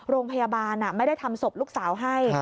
โรงพยาบาลไม่ได้ทำศพลูกสาวให้